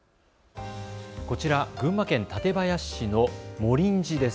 こちら、群馬県館林市の茂林寺です。